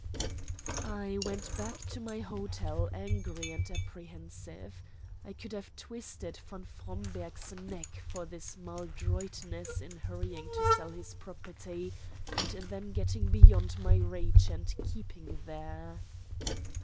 I went back to my hotel angry and apprehensive. I could have twisted von Fromberg's neck for his maladroitness in hurrying to sell his property, and then getting beyond my reach and keeping there.